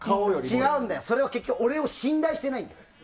違うんだよ、それは結局俺を信頼してないんだよ。